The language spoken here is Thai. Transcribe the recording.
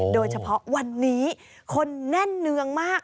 โดยเฉพาะวันนี้คนแน่นเนืองมาก